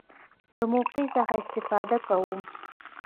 له موقع څخه استفاده کوم.